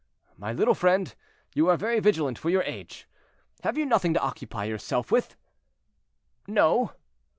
"My little friend, you are very vigilant for your age. Have you nothing to occupy yourself with?" "No."